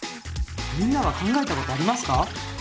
みんなは考えたことありますか？